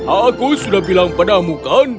aku sudah bilang padamu kan